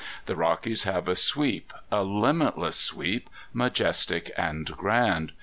The Rockies have a sweep, a limitless sweep, majestic and grand.